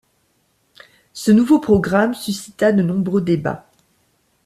Ce nouveau programme suscita de nombreux débats.